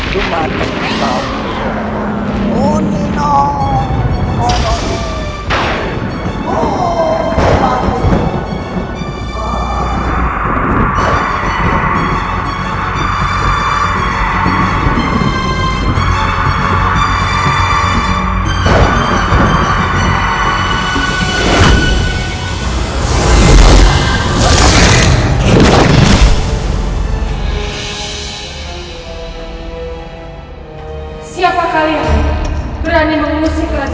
siapa kalian berani mengurusi kerajaanku